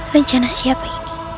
lencana siapa ini